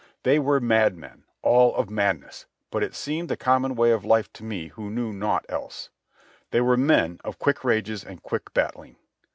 They were madmen, all of madness, but it seemed the common way of life to me who knew naught else. They were men of quick rages and quick battling.